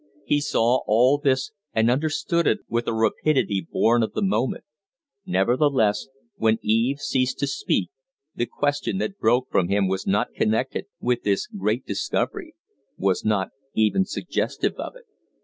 He saw all this and understood it with a rapidity born of the moment; nevertheless, when Eve ceased to speak the question that broke from him was not connected with this great discovery was not even suggestive of it.